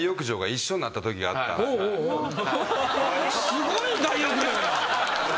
すごい大浴場やな。